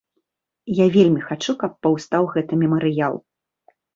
Я вельмі хачу, каб паўстаў гэты мемарыял.